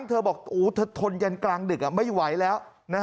เธอบอกเธอทนยันกลางดึกไม่ไหวแล้ว